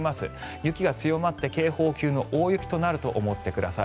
雪が強まって警報級の大雪となると思ってください。